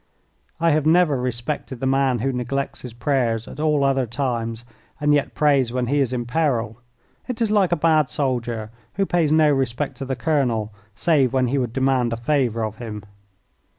I have never respected the man who neglects his prayers at all other times and yet prays when he is in peril. It is like a bad soldier who pays no respect to the colonel save when he would demand a favour of him.